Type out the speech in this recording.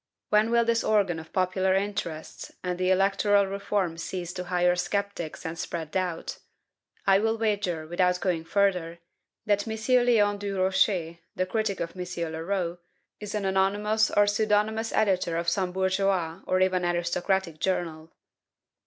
When will this organ of popular interests and the electoral reform cease to hire sceptics and spread doubt? I will wager, without going further, that M. Leon Durocher, the critic of M. Leroux, is an anonymous or pseudonymous editor of some bourgeois, or even aristocratic, journal.